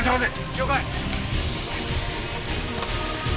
了解！